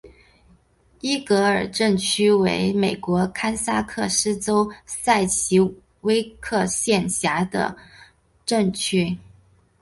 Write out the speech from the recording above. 伊格尔镇区为美国堪萨斯州塞奇威克县辖下的镇区。